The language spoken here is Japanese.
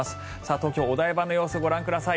東京・お台場の様子ご覧ください。